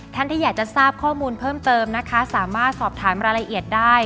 ท่านที่อยากจะทราบข้อมูลเพิ่มเติมนะคะสามารถสอบถามรายละเอียดได้